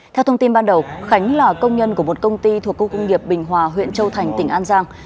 theo thông tin ban đầu khánh là công nhân của một công ty thuộc khu công nghiệp bình hòa huyện châu thành tỉnh an giang